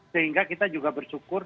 sehingga kita juga bersyukur